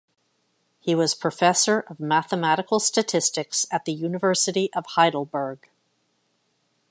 He was Professor of Mathematical Statistics at the University of Heidelberg.